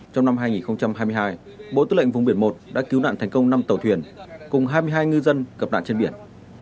trong năm hai nghìn hai mươi hai bộ tư lệnh vùng biển một đã cứu nạn thành công năm tàu thuyền cùng hai mươi hai ngư dân gặp nạn trên biển